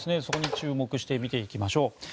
そこに注目して見ていきましょう。